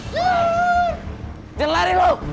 jangan lari lu